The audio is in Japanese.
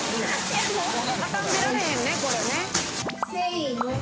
畳んでられへんねこれね。